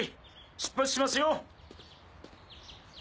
出発しますよ。